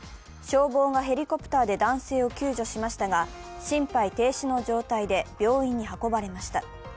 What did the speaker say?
消防がヘリコプターで男性を救助しましたが、心肺停止の状態で病院に運ばれました。